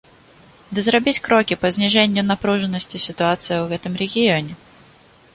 Ды зрабіць крокі па зніжэнню напружанасці сітуацыі ў гэтым рэгіёне.